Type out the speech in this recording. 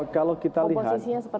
kalau kita lihat